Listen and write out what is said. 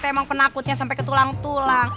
emang penakutnya sampai ketulang tulang